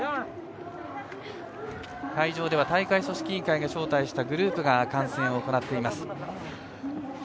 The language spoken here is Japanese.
会場では大会組織委員会が招待したグループが観戦を行っています。